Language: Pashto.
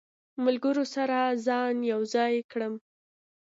ملګرو سره ځان یو ځای کړم.